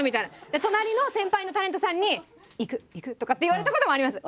で隣の先輩タレントさんに「いくいく」とかって言われたこともあります。